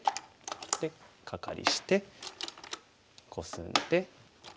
でカカリしてコスんで。